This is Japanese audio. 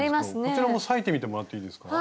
こちらも裂いてみてもらっていいですか。